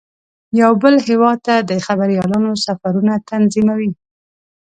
یو بل هیواد ته د خبریالانو سفرونه تنظیموي.